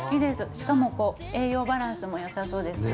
しかも栄養バランスもよさそうですしね。